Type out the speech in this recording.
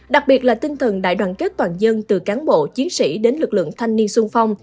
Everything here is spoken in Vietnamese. đặc biệt là tinh thần đại đoàn kết toàn dân từ cán bộ chiến sĩ đến lực lượng thanh niên sung phong